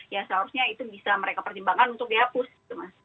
ya seharusnya itu bisa mereka pertimbangkan untuk dihapus